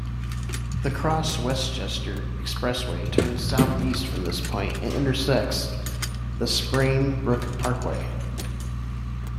The Cross-Westchester Expressway turns southeast from this point and intersects the Sprain Brook Parkway.